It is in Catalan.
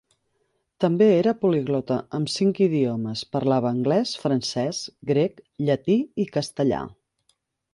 També era poliglota amb cinc idiomes: parlava anglès, francès, grec, llatí i castellà.